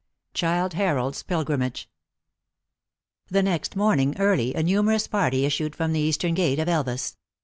Childe Harold s Pilgrimage. THE next morning early a numerous party issued from the eastern gate of Elvas.